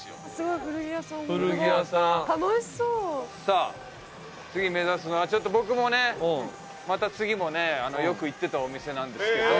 さあ次目指すのはちょっと僕もねまた次もねよく行ってたお店なんですけど。